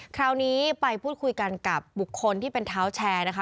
คราวนี้ไปพูดคุยกันกับบุคคลที่เป็นเท้าแชร์นะคะ